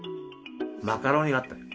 マカロニがあったね。